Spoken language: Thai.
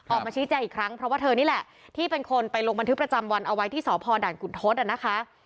ออกมาชี้แจงอีกครั้งเพราะว่าเธอนี่แหละที่เป็นคนไปลงบันทึกประจำวันเอาไว้ที่สพด่านขุนทศนะคะ